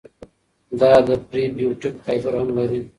دا د پری بیوټیک فایبر هم لري.